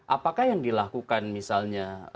apakah yang dilakukan misalnya